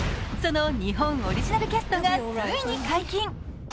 その日本オリジナルキャストがついに解禁。